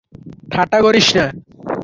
ঠাট্টা করিস না।